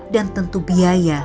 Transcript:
dan tentu biaya